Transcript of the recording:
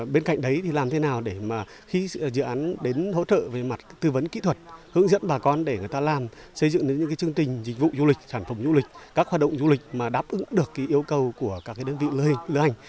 bên cạnh đấy thì làm thế nào để mà khi dự án đến hỗ trợ về mặt tư vấn kỹ thuật hướng dẫn bà con để người ta làm xây dựng những chương trình dịch vụ du lịch sản phẩm du lịch các hoạt động du lịch mà đáp ứng được yêu cầu của các đơn vị lưu hình lửa hành